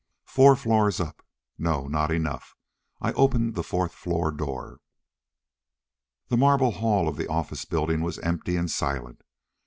Four floors up. No, not enough! I opened the fourth floor door. The marble hall of the office building was empty and silent.